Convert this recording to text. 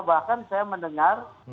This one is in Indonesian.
bahkan saya mendengar